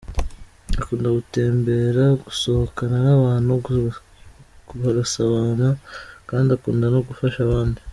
Akunda gutembera no gusohokana n’abantu bagasabana kandi akunda no gufasha abandi.